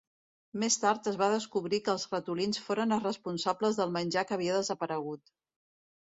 Més tard es va descobrir que els ratolins foren els responsables del menjar que havia desaparegut.